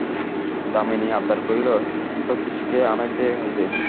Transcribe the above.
দামিনী আবদার করিল, শচীশকে আনাইতে হইবে।